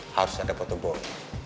harus ada fotoball